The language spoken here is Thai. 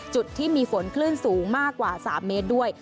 จุดที่มีฝนคลื่นสูงมากกว่า๓เมตรด้วย